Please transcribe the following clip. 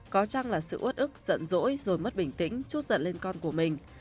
có chăng là sự ướt ức giận dỗi rồi mất bình tĩnh chút giận lên con của mình